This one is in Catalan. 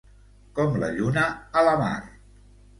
Com la lluna a la mar.